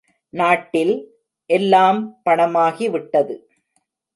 நாட்டில், எல்லாம் பணமாகிவிட்டது.